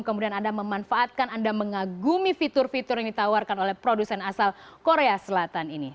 kemudian anda memanfaatkan anda mengagumi fitur fitur yang ditawarkan oleh produsen asal korea selatan ini